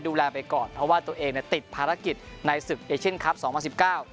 ไปก่อนเพราะว่าตัวเองเนี่ยติดภารกิจในศึกเอเชียนคลับสองพันสิบเก้า